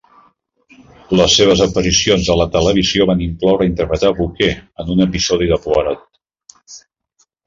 Les seves aparicions a la televisió van incloure interpretar a Boucher en un episodi de Poirot.